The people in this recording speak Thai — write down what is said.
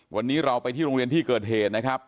วันนี้เราไปที่โรงเรียนที่เกิดเหตุนะครับ